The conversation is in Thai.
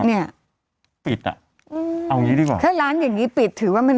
เนี้ยปิดอ่ะอืมเอางี้ดีกว่าถ้าร้านอย่างงี้ปิดถือว่ามัน